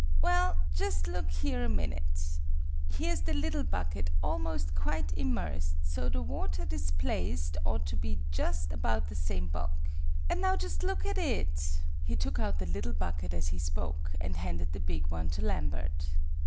"Well, just look here a minute. Here's the little bucket almost quite immersed: so the water displaced ought to be just about the same bulk. And now just look at it!" He took out the little bucket as he spoke, and handed the big one to Lambert.